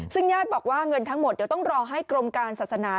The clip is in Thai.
ซึ่งญาติบอกว่าเงินทั้งหมดเดี๋ยวต้องรอให้กรมการศาสนา